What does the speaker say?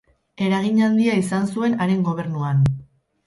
Eragin handia izan zuen haren gobernuan.